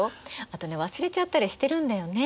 あとね忘れちゃったりしてるんだよね。